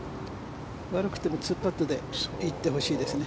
悪くても２パットで行ってほしいですね。